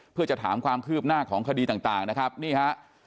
เพื่อจะถามความคืบหน้าของคดีต่างนะครับนี่ฮะ